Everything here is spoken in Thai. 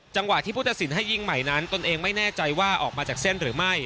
จังหวะที่ผู้ตัดสินให้ยิงใหม่นั้นตนเองไม่แน่ใจว่าออกมาจากเส้นหรือไม่